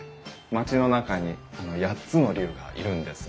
町の中に８つの竜がいるんです。